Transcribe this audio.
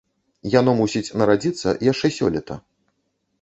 Яно мусіць нарадзіцца яшчэ сёлета.